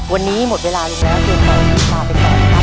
วันนี้หมดเวลาแล้วเกมต่อชีวิตมาไปต่อนะครับ